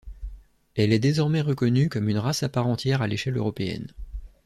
Elle est désormais reconnue comme une race à part entière à l'échelle européenne.